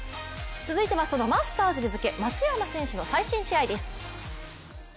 続いてはそのマスターズに向け松山選手の最新試合です。